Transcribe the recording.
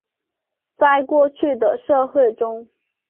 在过去的社会中。